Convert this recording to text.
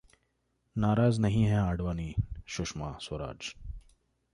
नाराज नहीं हैं आडवाणी: सुषमा स्वराज